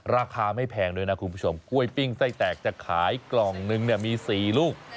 ราคาไม่แพงด้วยนะคุณผู้ชมกล้วยปิ้งไส้แตกจะขายกล่องนึงเนี่ยมี๔ลูก